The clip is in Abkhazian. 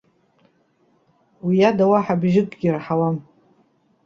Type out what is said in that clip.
Уи ада уаҳа бжьыкгьы раҳауам.